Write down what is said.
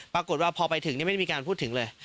ปรากฏว่าพอไปถึงไม่ได้มีการพูดถึงเลย